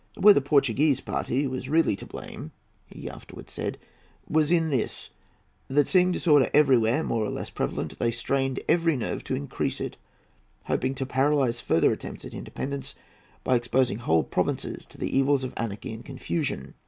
"Where the Portuguese party was really to blame," he afterwards said, "was in this,—that, seeing disorder everywhere more or less prevalent, they strained every nerve to increase it, hoping to paralyze further attempts at independence by exposing whole provinces to the evils of anarchy and confusion.